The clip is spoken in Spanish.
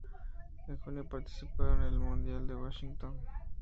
En junio participaron en el Mundial de Washington.